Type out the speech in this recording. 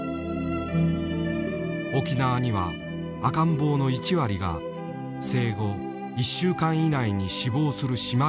沖縄には赤ん坊の１割が生後１週間以内に死亡する島があった。